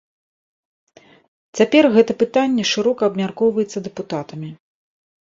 Цяпер гэта пытанне шырока абмяркоўваецца дэпутатамі.